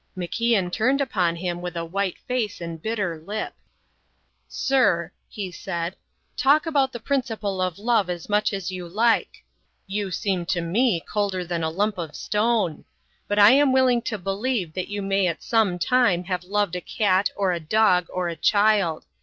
MacIan turned upon him with a white face and bitter lip. "Sir," he said, "talk about the principle of love as much as you like. You seem to me colder than a lump of stone; but I am willing to believe that you may at some time have loved a cat, or a dog, or a child.